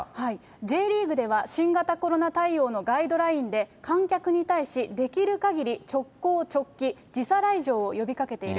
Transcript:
Ｊリーグでは新型コロナ対応のガイドラインで、観客に対し、できるかぎり直行直帰、時差来場を呼びかけている。